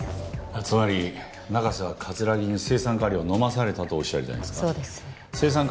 つまり中瀬は葛城に青酸カリを飲まされたとおっしゃりたいんですか？